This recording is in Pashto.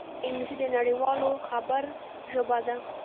انګلیسي د نړيوال خبر ژبه ده